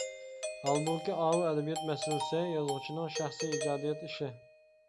ھالبۇكى ئاۋۇ ئەدەبىيات مەسىلىسى يازغۇچىنىڭ شەخسى ئىجادىيەت ئىشى.